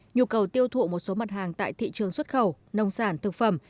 nhu cầu tiêu thụ một số mặt hàng tại thị trường xuất khẩu nông sản thực phẩm